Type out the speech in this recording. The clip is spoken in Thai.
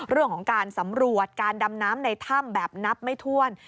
เรื่องของการสำรวจการดำน้ำในถ้ำแบบนับไม่ถ้วน